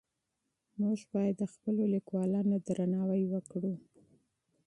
موږ باید د خپلو لیکوالانو درناوی وکړو.